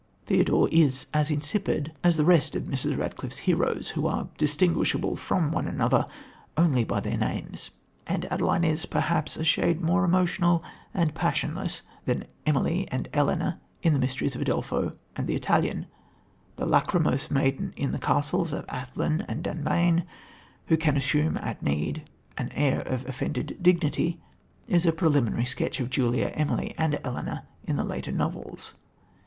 Theodore is as insipid as the rest of Mrs. Radcliffe's heroes, who are distinguishable from one another only by their names, and Adeline is perhaps a shade more emotional and passionless than Emily and Ellena in The Mysteries of Udolpho and The Italian. The lachrymose maiden in The Castles of Athlin and Dunbayne, who can assume at need "an air of offended dignity," is a preliminary sketch of Julia, Emily and Ellena in the later novels.